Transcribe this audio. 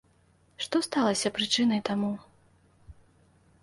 Што сталася прычынай таму?